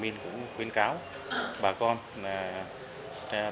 nguyễn đăng cát tiên xin cảm ơn các bà con